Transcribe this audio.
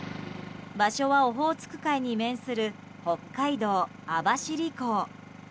場所は、オホーツク海に面する北海道網走港。